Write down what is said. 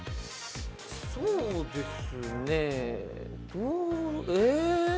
そうですねえー。